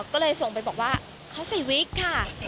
ก็เลยส่งไปบอกว่าเขาใส่วิกค่ะ